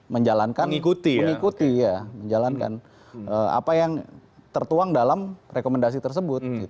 menjalankan mengikuti ya menjalankan apa yang tertuang dalam rekomendasi tersebut